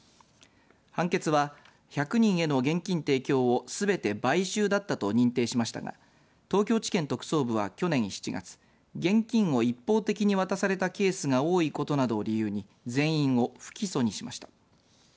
判決は、１００人への現金提供をすべて買収だったと認定しましたが東京地検特捜部は、去年７月現金を一方的に渡されたケースが多いことなどを理由に全員を不起訴にしました。